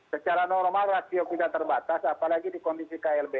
secara normal rasio kita terbatas apalagi di kondisi klb